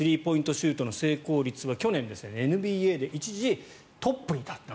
シュートの成功率は去年、ＮＢＡで一時トップに立った。